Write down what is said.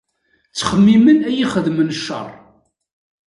Ttxemmimen ad iyi-xedmen ccer.